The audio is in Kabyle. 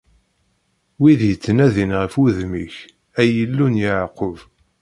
Wid yettnadin ɣef wudem-ik, ay Illu n Yeɛqub!